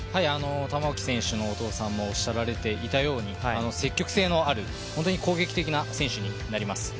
玉置選手のお父さんもおっしゃっておられたように積極性のある、ホントに攻撃的な選手になります。